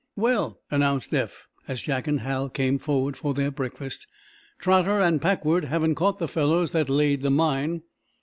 "Well," announced Eph, as Jack and Hal came forward for their breakfast, "Trotter and Packwood haven't caught the fellows that laid the mine."